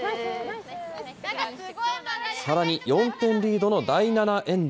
さらに４点リードの第７エンド。